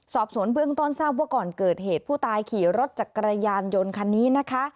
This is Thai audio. สอบสวนเบื้องต้นทราบว่าก่อนเกิดเหตุผู้ตายขี่รถจักรยานยนต์คันนี้นะคะ